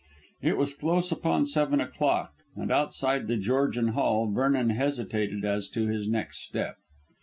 It was close upon seven o'clock, and outside The Georgian Hall Vernon hesitated as to his next step.